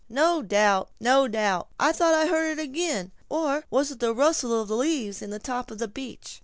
"No doubt—no doubt. I thought I heard it again! or was it the rustling of the leaves in the top of the beech?"